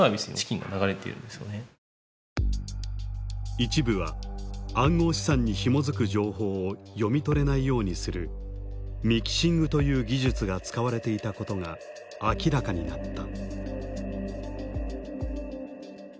一部は暗号資産にひも付く情報を読み取れないようにするミキシングという技術が使われていたことが明らかになった。